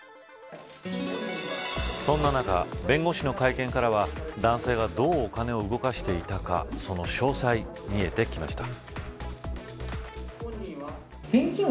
そんな中、弁護士の会見からは男性がどうお金を動かしていたかその詳細、見えてきました。